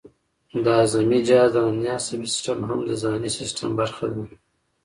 د هاضمې جهاز دنننی عصبي سیستم هم د ځانی سیستم برخه ده